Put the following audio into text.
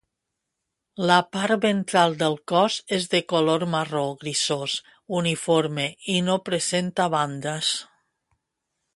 La part ventral del cos és de color marró grisós uniforme i no presenta bandes.